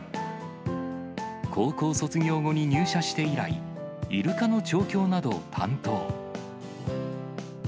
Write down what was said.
高校卒業後に入社して以来、イルカの調教など担当。